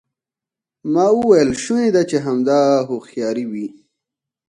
ما وویل شونې ده چې همدا هوښیاري وي.